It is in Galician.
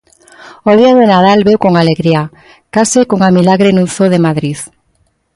O día de Nadal veu con alegría, case cunha milagre nun zoo de Madrid.